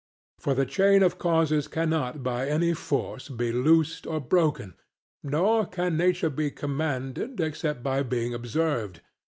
For the chain of causes cannot by any force be loosed or broken, nor can nature be commanded except by being obeyed.